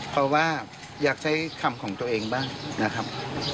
เพราะว่าอยากใช้คำของตัวเองบ้างนะครับ